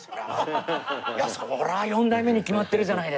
いやそりゃ四代目に決まってるじゃないですか！